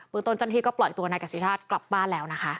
เบื้องต้นจนทีก็ปล่อยตัวนายกัสซีชาติกลับบ้านแล้วนะคะ